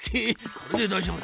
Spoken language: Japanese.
これでだいじょうぶだ。